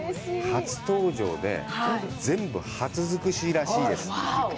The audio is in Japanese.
初登場で、全部、初尽くしらしいです。